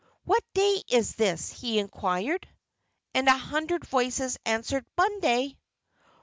"What day is this?" he inquired. And a hundred voices answered: "Monday!"